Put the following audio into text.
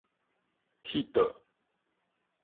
去倒